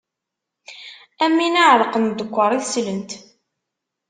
Am win iɛellqen ddekkaṛ i teslent.